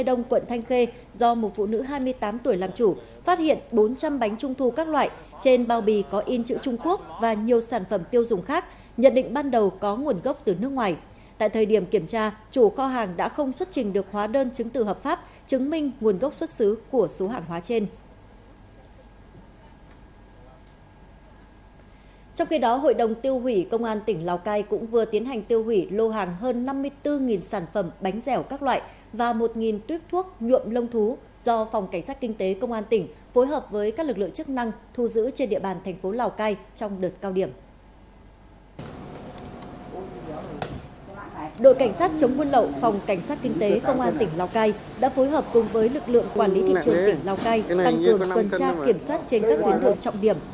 đội cảnh sát chống nguồn lậu phòng cảnh sát kinh tế công an tỉnh lào cai đã phối hợp cùng với lực lượng quản lý kinh trường tỉnh lào cai tăng cường quan trang kiểm soát trên các tuyến đường trọng điểm